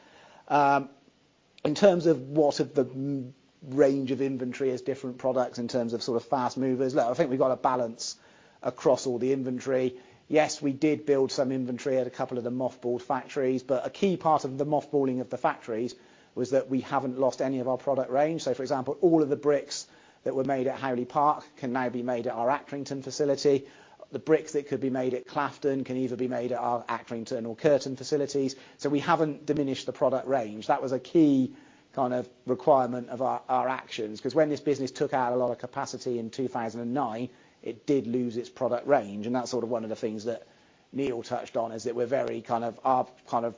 In terms of what of the range of inventory as different products in terms of sort of fast movers, look, I think we've got a balance across all the inventory. Yes, we did build some inventory at a couple of the mothballed factories. A key part of the mothballing of the factories was that we haven't lost any of our product range. So for example, all of the bricks that were made at Howley Park can now be made at our Accrington facility. The bricks that could be made at Claughton can either be made at our Accrington or Kirton facilities. So we haven't diminished the product range. That was a key kind of requirement of our actions. Because when this business took out a lot of capacity in 2009, it did lose its product range. And that's sort of one of the things that Neil touched on is that we're very kind of our kind of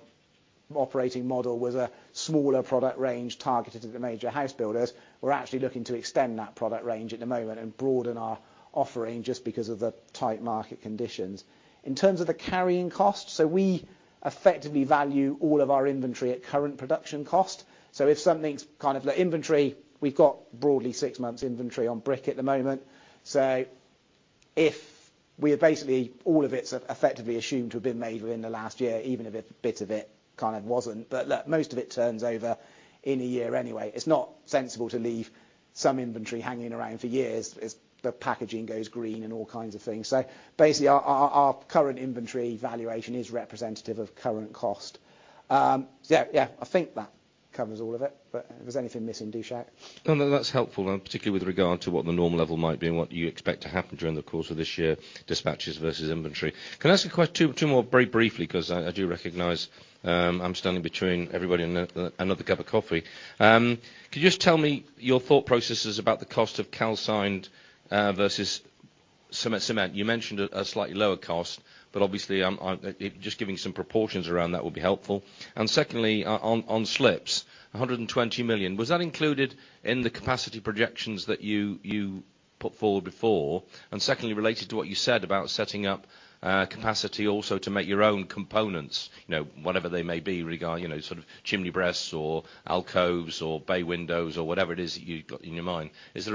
operating model was a smaller product range targeted at the major house builders. We're actually looking to extend that product range at the moment and broaden our offering just because of the tight market conditions. In terms of the carrying costs, so we effectively value all of our inventory at current production cost. So if something's kind of inventory, we've got broadly six months' inventory on brick at the moment. So we have basically all of it's effectively assumed to have been made within the last year, even if a bit of it kind of wasn't. But look, most of it turns over in a year anyway. It's not sensible to leave some inventory hanging around for years as the packaging goes green and all kinds of things. So basically, our current inventory valuation is representative of current cost. So yeah, I think that covers all of it. But if there's anything missing, do shout.
No, no, that's helpful, particularly with regard to what the norm level might be and what you expect to happen during the course of this year, dispatches versus inventory. Can I ask a question two more very briefly? Because I do recognize I'm standing between everybody and another cup of coffee. Could you just tell me your thought processes about the cost of calcined versus cement? You mentioned a slightly lower cost, but obviously, just giving some proportions around that would be helpful. And secondly, on slips, 120 million, was that included in the capacity projections that you put forward before? Secondly, related to what you said about setting up capacity also to make your own components, whatever they may be, sort of chimney breasts or alcoves or bay windows or whatever it is that you've got in your mind, is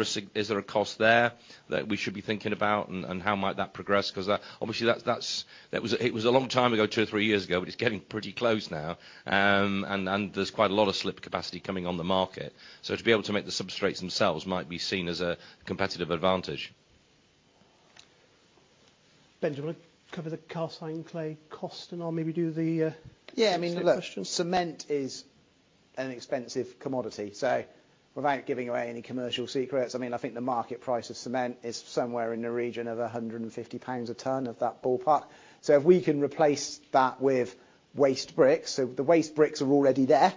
there a cost there that we should be thinking about and how might that progress? Because obviously, it was a long time ago, two or three years ago, but it's getting pretty close now. There's quite a lot of slip capacity coming on the market. To be able to make the substrates themselves might be seen as a competitive advantage.
Ben, do you want to cover the calcined clay cost and maybe do the question?
Yeah. I mean, look, cement is an expensive commodity. So without giving away any commercial secrets, I mean, I think the market price of cement is somewhere in the region of 150 pounds a tonne of that ballpark. So if we can replace that with waste bricks so the waste bricks are already there,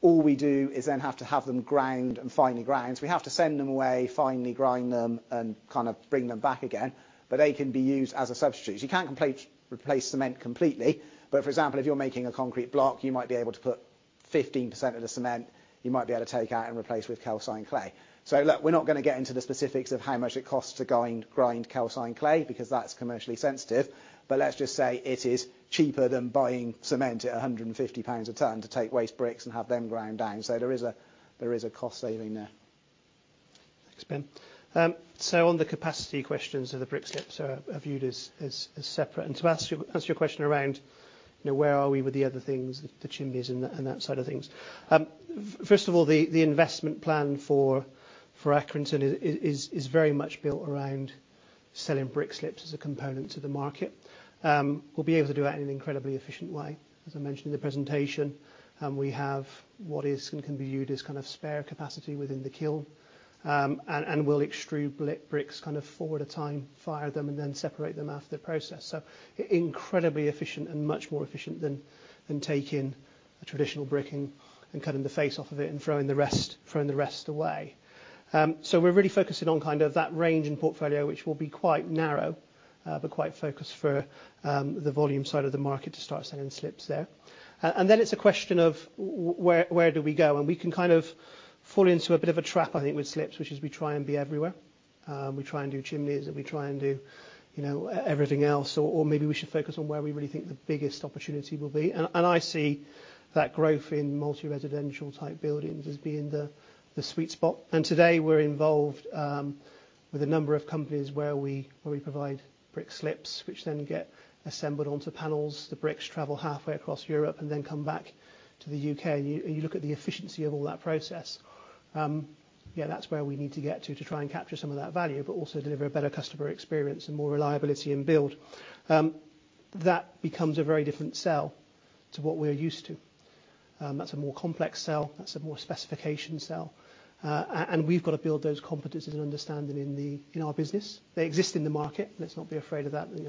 all we do is then have to have them ground and finely ground. So we have to send them away, finely grind them, and kind of bring them back again. But they can be used as a substitute. So you can't replace cement completely. But for example, if you're making a concrete block, you might be able to put 15% of the cement you might be able to take out and replace with calcined clay. Look, we're not going to get into the specifics of how much it costs to grind calcined clay because that's commercially sensitive. But let's just say it is cheaper than buying cement at 150 pounds a tonne to take waste bricks and have them ground down. There is a cost saving there.
Thanks, Ben. So on the capacity questions of the brick slips, so are viewed as separate. To answer your question around where are we with the other things, the chimneys and that side of things, first of all, the investment plan for Accrington is very much built around selling brick slips as a component to the market. We'll be able to do that in an incredibly efficient way, as I mentioned in the presentation. We have what is and can be viewed as kind of spare capacity within the kiln. We'll extrude bricks kind of four at a time, fire them, and then separate them after the process. So incredibly efficient and much more efficient than taking a traditional bricking and cutting the face off of it and throwing the rest away. So we're really focusing on kind of that range and portfolio, which will be quite narrow but quite focused for the volume side of the market to start selling slips there. And then it's a question of where do we go? And we can kind of fall into a bit of a trap, I think, with slips, which is we try and be everywhere. We try and do chimneys. And we try and do everything else. Or maybe we should focus on where we really think the biggest opportunity will be. And I see that growth in multi-residential type buildings as being the sweet spot. And today, we're involved with a number of companies where we provide brick slips, which then get assembled onto panels. The bricks travel halfway across Europe and then come back to the U.K. And you look at the efficiency of all that process. Yeah, that's where we need to get to to try and capture some of that value but also deliver a better customer experience and more reliability in build. That becomes a very different sell to what we're used to. That's a more complex sell. That's a more specification sell. And we've got to build those competencies and understanding in our business. They exist in the market. Let's not be afraid of that. These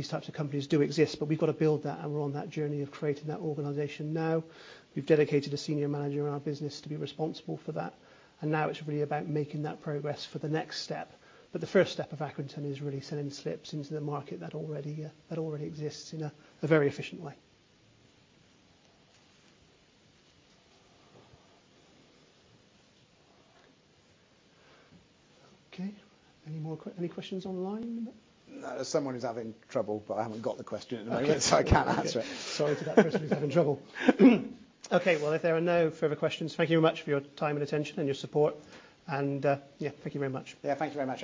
types of companies do exist. But we've got to build that. And we're on that journey of creating that organization now. We've dedicated a senior manager in our business to be responsible for that. And now, it's really about making that progress for the next step. But the first step of Accrington is really selling slips into the market that already exists in a very efficient way. Okay. Any questions online?
No. Someone is having trouble, but I haven't got the question at the moment, so I can't answer it. Sorry to that person who's having trouble.
Okay. Well, if there are no further questions, thank you very much for your time and attention and your support. And yeah, thank you very much.
Yeah. Thank you very much.